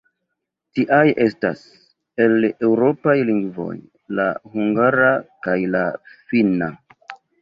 Tiaj estas, el eŭropaj lingvoj, la hungara kaj la finna.